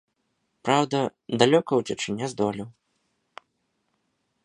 Праўда, далёка уцячы не здолеў.